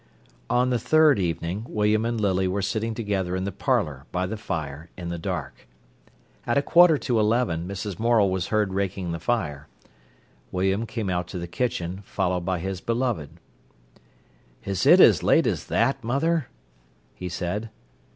On the third evening William and Lily were sitting together in the parlour by the fire in the dark. At a quarter to eleven Mrs. Morel was heard raking the fire. William came out to the kitchen, followed by his beloved. "Is it as late as that, mother?" he said.